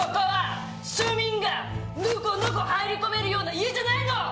庶民がのこのこ入り込めるような家じゃないの！